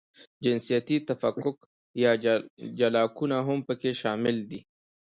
جنسیتي تفکیک یا جلاکونه هم پکې شامل دي.